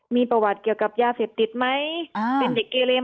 มีประวัติเกี่ยวกับยาเสพติดไหมเป็นเด็กเกเลม